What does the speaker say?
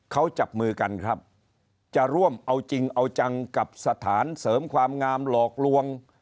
เขาจับมือกันครับจะร่วมเอาจริงเอาจังกับสถานเสริมความงามหลอกลวง